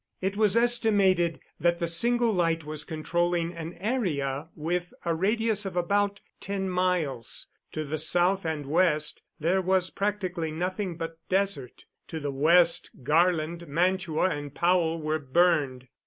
It was estimated that the single light was controlling an area with a radius of about ten miles. To the south and west there was practically nothing but desert. To the west Garland, Mantua and Powell were burned.